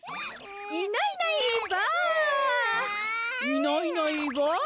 いないいないばあ！